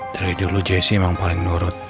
dari dulu jessy memang paling nurut